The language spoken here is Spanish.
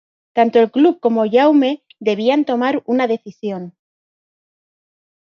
Tanto el club como Jaume debían tomar una decisión.